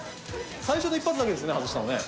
最初の１発だけですよね外したのね。